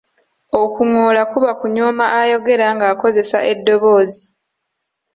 Okuŋoola kuba kunyooma ayogera ng’okozesa eddoboozi.